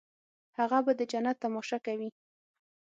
هغه به د جنت تماشه کوي.